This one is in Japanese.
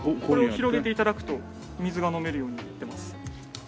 これを広げて頂くと水が飲めるようになってます。